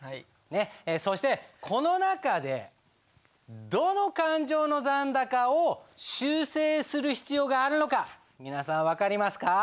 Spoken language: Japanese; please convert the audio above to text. そしてこの中でどの勘定の残高を修正する必要があるのか皆さん分かりますか？